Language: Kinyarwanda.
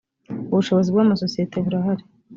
ubushobozi bw amasosiyeti burahari